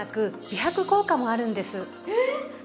美白効果もあるんだ。